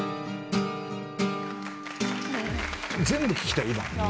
全部聴きたい今。